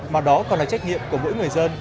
mà đó còn là trách nhiệm của mỗi người dân